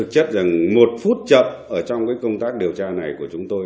chắc rằng một phút chật ở trong cái công tác điều tra này của chúng tôi